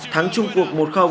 thắng chung cuộc một